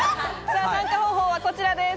参加方法はこちらです。